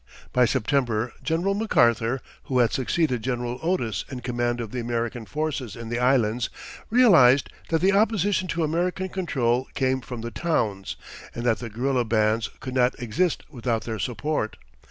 By September General MacArthur, who had succeeded General Otis in command of the American forces in the Islands, realized that the opposition to American control came from the towns, and that the guerilla bands could not exist without their support.